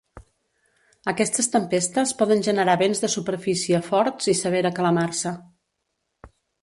Aquestes tempestes poden generar vents de superfície forts i severa calamarsa.